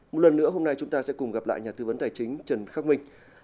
một lần nữa hôm nay chúng ta sẽ cùng gặp lại nhà tư vấn tài chính trần khắc minh